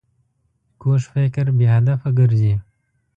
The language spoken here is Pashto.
کوږ فکر بې هدفه ګرځي